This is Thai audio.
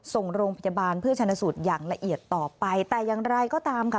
ส่งโรงพยาบาลเพื่อชนะสูตรอย่างละเอียดต่อไปแต่อย่างไรก็ตามค่ะ